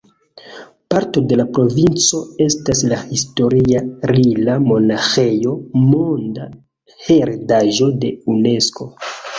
Parto de la provinco estas la historia Rila-monaĥejo, Monda Heredaĵo de Unesko.